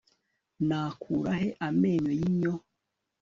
nakura he amenyo yinyo